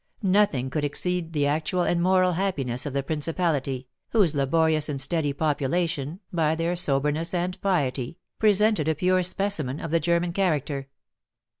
Nothing could exceed the actual and moral happiness of the principality, whose laborious and steady population, by their soberness and piety, presented a pure specimen of the German character.